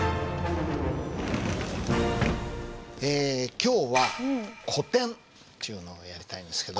今日は古典っちゅうのをやりたいんですけど。